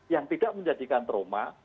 yang tidak menjadikan trauma